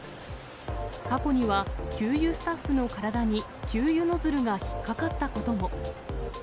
過去には、給油スタッフの体に給油ノズルが引っ掛かったことも。